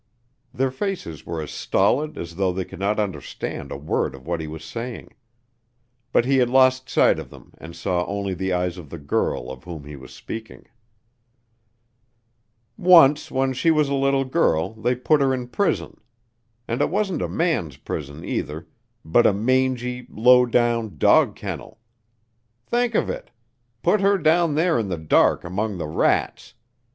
Their faces were as stolid as though they could not understand a word of what he was saying. But he had lost sight of them and saw only the eyes of the girl of whom he was speaking. "Once, when she was a little girl, they put her in prison. And it wasn't a man's prison either, but a mangy, low down, dog kennel. Think of it! Put her down there in the dark among the rats.